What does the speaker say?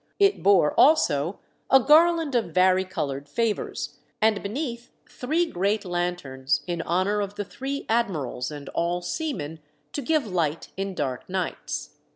It bore also a garland of vari coloured favours, and beneath three great lanterns in honour of the three admirals and all seamen, to give light in dark nights.